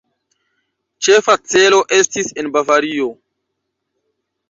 Ĉefa celo estis en Bavario.